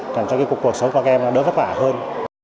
cảm cho cái cuộc cuộc sống của các em đỡ vất vả hơn